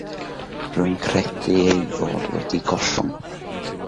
Rwy'n credu ei fod wedi gollwng.